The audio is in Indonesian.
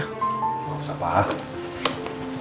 gak usah pak